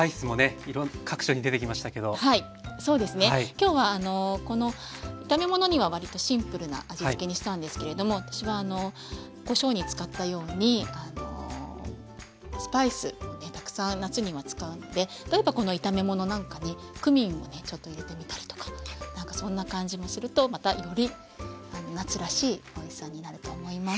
今日はこの炒め物にはわりとシンプルな味つけにしたんですけれども私はあのこしょうに使ったようにスパイスをねたくさん夏には使うので例えばこの炒め物なんかにクミンをねちょっと入れてみたりとかなんかそんな感じもするとまたより夏らしいおいしさになると思います。